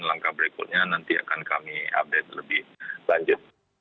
langkah berikutnya nanti akan kami update lebih lanjut